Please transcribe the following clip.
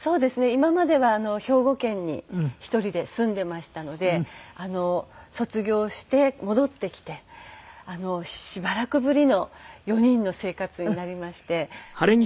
今までは兵庫県に１人で住んでいましたので卒業して戻ってきてしばらくぶりの４人の生活になりまして。